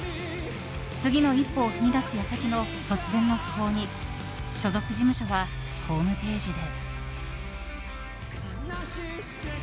次の一歩を踏み出す矢先の突然の訃報に所属事務所はホームページで。